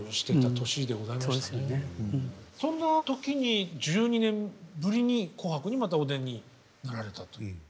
そんな時に１２年ぶりに「紅白」にまたお出になられたと。